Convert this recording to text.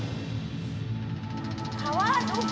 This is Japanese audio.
川どこ！？